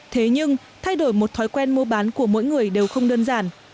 thế nhưng thay đổi một thói quen mua bán của mỗi người đều không đơn giản